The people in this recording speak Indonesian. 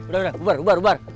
udah udah bubar bubar